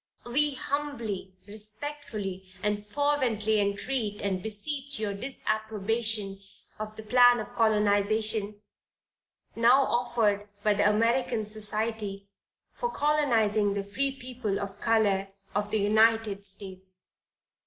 "We humbly, respectfully, and fervently entreat and beseech your disapprobation of the plan of colonization now offered by the "American Society for Colonizing the Free People of Color of the United States."